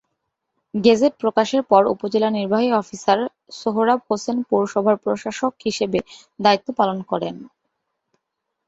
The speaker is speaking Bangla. গেজেট প্রকাশের পর উপজেলা নির্বাহী অফিসার সোহরাব হোসেন পৌরসভার প্রশাসক হিসেবে দায়িত্ব পালন করেন।